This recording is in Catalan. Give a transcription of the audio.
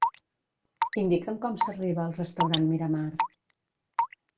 Indica'm com s'arriba al restaurant Miramar.